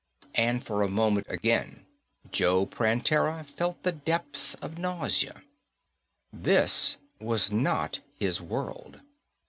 And for a moment again, Joe Prantera felt the depths of nausea. This was not his world.